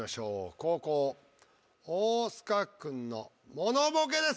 後攻大須賀君のモノボケです。